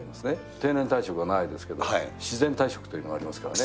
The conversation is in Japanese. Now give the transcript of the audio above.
定年退職はないですけど、自然退職というのはありますからね。